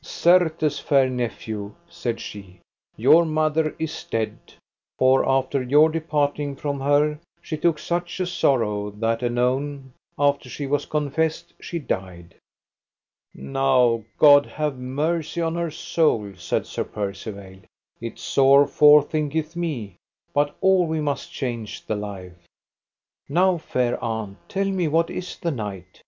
Certes, fair nephew, said she, your mother is dead, for after your departing from her she took such a sorrow that anon, after she was confessed, she died. Now, God have mercy on her soul, said Sir Percivale, it sore forthinketh me; but all we must change the life. Now, fair aunt, tell me what is the knight?